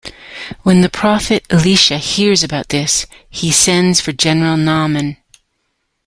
When the prophet Elisha hears about this, he sends for general Naaman.